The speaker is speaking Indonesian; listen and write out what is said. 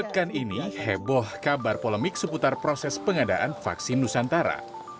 pekan ini heboh kabar polemik seputar proses pengadaan vaksin nusantara